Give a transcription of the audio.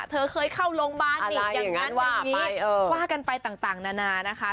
เธอเคยเข้าโรงบาลอีกอย่างนั้นว่ากันไปต่างนานานะคะ